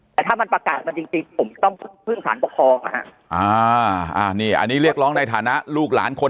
แต่ถ้ามันประกาศมาจริงผมต้องพึ่งสารปกครองนะฮะ